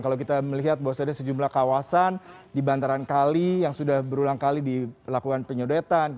kalau kita melihat bahwa sejumlah kawasan dibantaran kali yang sudah berulang kali dilakukan penyodetan